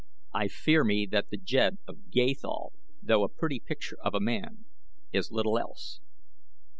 I fear me that the Jed of Gathol, though a pretty picture of a man, is little else."